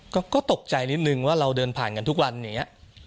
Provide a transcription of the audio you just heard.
ก็ตกใจนิดนึงว่าเราเดินผ่านกันทุกวันอย่างนี้